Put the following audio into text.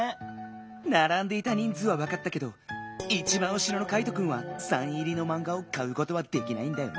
ならんでいたにんずうはわかったけどいちばんうしろのカイトくんはサイン入りのマンガをかうことはできないんだよね。